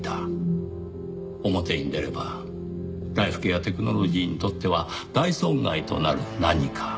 表に出ればライフケアテクノロジーにとっては大損害となる何か。